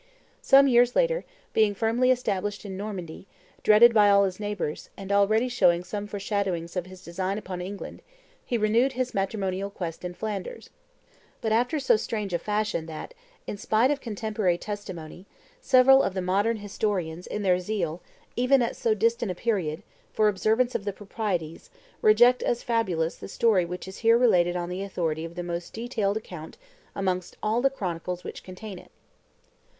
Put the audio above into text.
Some years later, being firmly established in Normandy, dreaded by all his neighbors, and already showing some foreshadowings of his design upon England, he renewed his matrimonial quest in Flanders, but after so strange a fashion that, in spite of contemporary testimony, several of the modern historians, in their zeal, even at so distant a period, for observance of the proprieties, reject as fabulous the story which is here related on the authority of the most detailed account amongst all the chronicles which contain it.